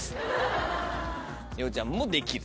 里帆ちゃんも「できる」。